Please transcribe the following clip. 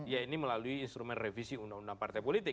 ya ini melalui instrumen revisi undang undang partai politik